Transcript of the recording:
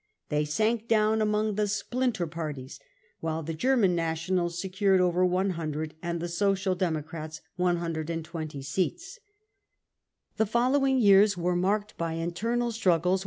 They sank down among the 44 splinter • parties, 35 while the German Nationals secured over 100 and the Social Democrats 120 seats. The following years were marked by internal struggles H